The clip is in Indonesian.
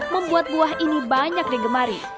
membuat buah ini banyak digemari